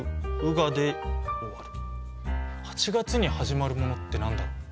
８月に始まるものって何だろう？